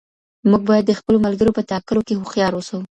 موږ باید د خپلو ملګرو په ټاکلو کې هوښیار اوسو.